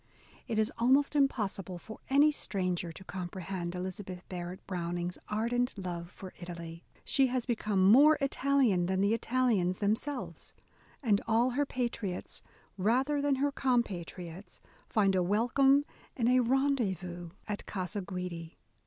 It is almost impossible for any stranger to comprehend Elizabeth Barrett Browning's ardent love for Italy. She has become more Italian than the Italians themselves," and all her patriots — rather than her compatriots — find a welcome and a rendezvous at Casa Guidi.